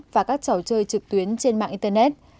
và các trò chơi trực tuyến trên mạng internet